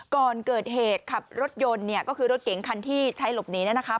ก่อนเกิดเหตุขับรถยนต์เนี่ยก็คือรถเก๋งคันที่ใช้หลบหนีเนี่ยนะคะ